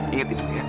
ingat itu ya